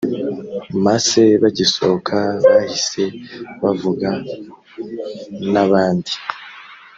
masse bagisohoka bahise bavuga n abandi